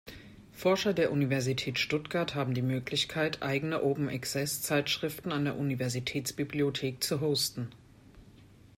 Forscher der Universität Stuttgart haben die Möglichkeit, eigene Open-Access-Zeitschriften an der Universitätsbibliothek zu hosten.